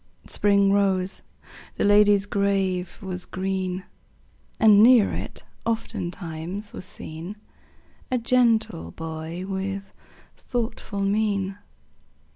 Spring rose; the lady's grave was green; And near it, oftentimes, was seen A gentle boy with thoughtful mien.